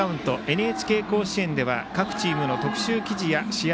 「ＮＨＫ甲子園」では各チームの特集記事や試合